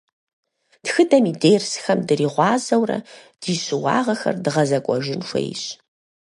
Тхыдэм и дерсхэм дригъуазэурэ ди щыуагъэхэр дгъэзэкӏуэжын хуейщ.